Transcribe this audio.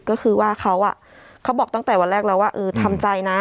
ก็คือว่าเขาเขาบอกตั้งแต่วันแรกแล้วว่าเออทำใจนะ